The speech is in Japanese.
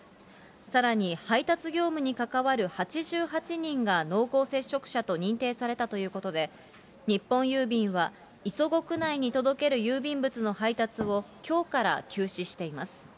さらに配達業務に関わる８８人が濃厚接触者と認定されたということで、日本郵便は磯子区内に届ける郵便物の配達をきょうから休止しています。